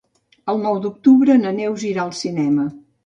El nou d'octubre na Neus irà al cinema.